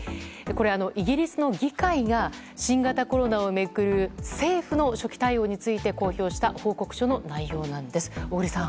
イギリスの議会が新型コロナを巡る政府の初期対応について公表した報告書の内容なんです。